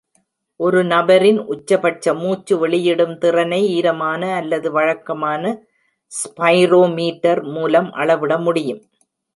ஒரு நபரின் உச்சபட்ச மூச்சு வெளியிடும் திறனை ஈரமான அல்லது வழக்கமான ஸ்பைரோமீட்டர் மூலம் அளவிட முடியும்.